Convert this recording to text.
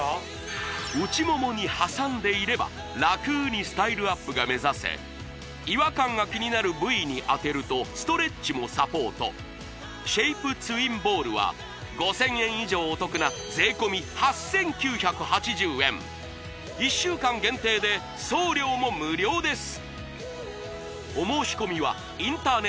内ももに挟んでいれば楽にスタイルアップが目指せ違和感が気になる部位に当てるとストレッチもサポートシェイプツインボールは５０００円以上お得な税込８９８０円１週間限定で送料も無料です